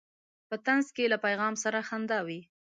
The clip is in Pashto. په طنز کې له پیغام سره خندا وي.